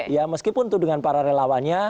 ya meskipun itu dengan para relawannya